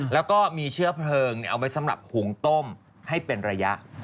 แล้วก็มีเชื้อเพลิงเอาไว้สำหรับหุงต้มให้เป็นระยะ